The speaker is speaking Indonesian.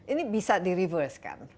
ini bisa di reverse kan